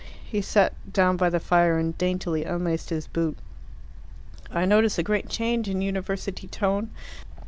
He sat down by the fire and daintily unlaced his boot. "I notice a great change in university tone.